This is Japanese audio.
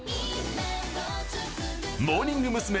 モーニング娘。